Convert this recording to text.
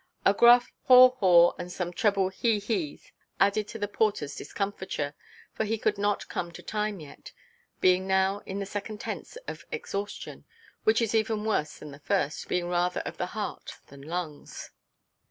A gruff haw–haw and some treble he–heʼs added to the porterʼs discomfiture, for he could not come to time yet, being now in the second tense of exhaustion, which is even worse than the first, being rather of the heart than lungs.